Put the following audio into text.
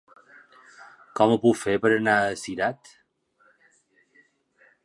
Com ho puc fer per anar a Cirat?